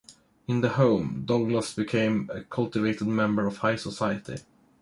In the home, Douglass became a cultivated member of high society.